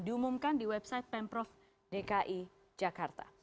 diumumkan di website pemprov dki jakarta